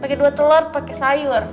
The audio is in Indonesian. pakai dua telur pakai sayur